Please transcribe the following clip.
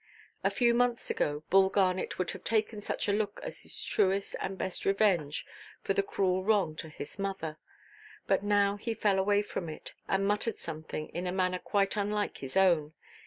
A few months ago, Bull Garnet would have taken such a look as his truest and best revenge for the cruel wrong to his mother. But now he fell away from it, and muttered something, in a manner quite unlike his own.